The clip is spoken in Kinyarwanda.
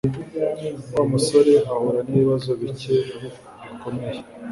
wa musore ahura nibibazo bike bikomeye